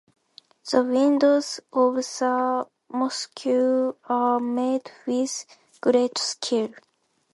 The windows of the mosque are made with great skill.